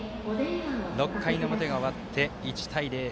６回の表が終わって１対０。